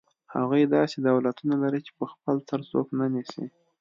هغوی داسې دولتونه لري چې په خپل سر څوک نه نیسي.